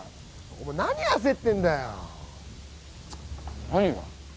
お前何あせってんだよ何が？